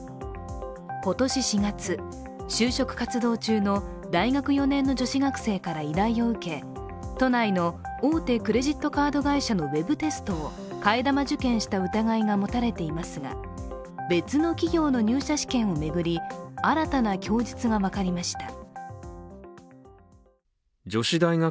今年４月、就職活動中の大学４年の女子学生から依頼を受け、都内の大手クレジットカード会社のウェブテストを替え玉受検した疑いが持たれていますが、別の企業の入社試験を巡り新たな供述が分かりました。